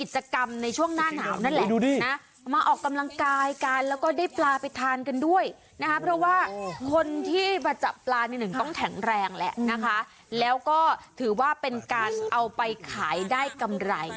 ถ้าจับปลานิดหนึ่งต้องแข็งแรงแหละนะคะแล้วก็ถือว่าเป็นการเอาไปขายได้กำไร